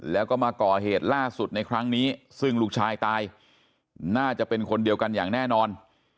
แล้วก็มาก่อเหตุล่าสุดในครั้งนี้ซึ่งลูกชายตายน่าจะเป็นคนเดียวกันอย่างแน่นอน